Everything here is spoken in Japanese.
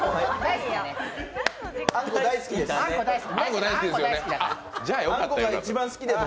あんこが一番好きです。